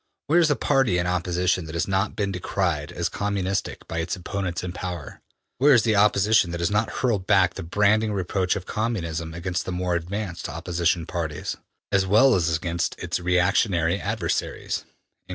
Where is the party in opposition that has not been decried as communistic by its opponents in power? Where the Opposition that has not hurled back the branding reproach of Communism against the more advanced opposition parties, as well as against its re actionary adversaries?''